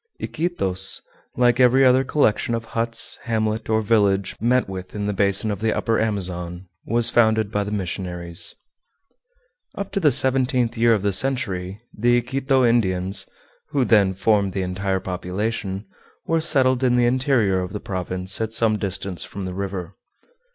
Iquitos, like every other collection of huts, hamlet, or village met with in the basin of the Upper Amazon, was founded by the missionaries. Up to the seventeenth year of the century the Iquito Indians, who then formed the entire population, were settled in the interior of the province at some distance from the river.